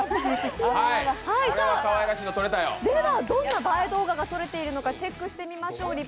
どんな映え動画が撮れているのかチェックしましょう。